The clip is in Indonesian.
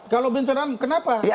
kalau bencana alam kenapa